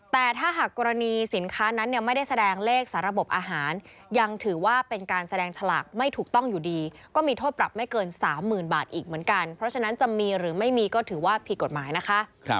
แต่ถ้าหากกรณีสินค้านั้นเนี่ยไม่ได้แสดงเลขสาระบบอาหารยังถือว่าเป็นการแสดงฉลากไม่ถูกต้องอยู่ดีก็มีโทษปรับไม่เกิน๓๐๐๐บาทอีกเหมือนกันเพราะฉะนั้นจะมีหรือไม่มีก็ถือว่าผิดกฎหมายนะคะ